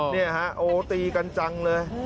นี่ฮะโอ้ตีกันจังเลย